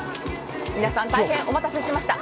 皆さん、大変お待たせしました。